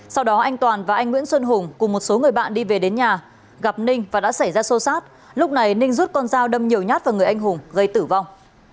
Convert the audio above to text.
sau đó anh toàn và anh nguyễn xuân hùng cùng một số người bạn đi về đến nhà gặp ninh và đã xảy ra xô xát lúc này ninh rút con dao đâm nhiều nhát vào người anh hùng gây tử vong